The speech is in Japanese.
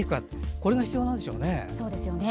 これが必要なんですね。